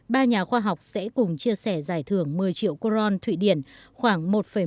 ba nhà khoa học sẽ cùng chia sẻ giải thưởng một mươi triệu quoron thụy điển khoảng một một triệu đô la mỹ